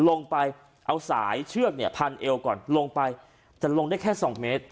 ลงไปเอาสายเชือกเนี่ยพันเอวก่อนลงไปแต่ลงได้แค่สองเมตร